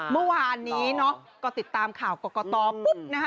เมื่อวานนี้เนาะก็ติดตามข่าวกรกตปุ๊บนะฮะ